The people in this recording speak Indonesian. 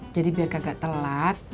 jadi biar kagak telat